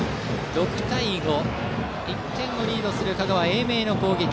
６対５、１点をリードする香川・英明の攻撃。